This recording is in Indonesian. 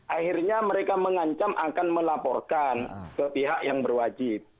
akhirnya mereka mengancam akan melaporkan ke pihak yang berwajib